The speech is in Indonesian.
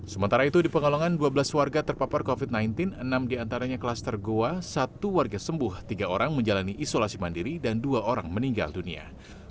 sementara itu di pekalongan dua belas warga terpapar covid sembilan belas enam diantaranya klaster goa satu warga sembuh tiga orang menjalani isolasi mandiri dan dua orang meninggal dunia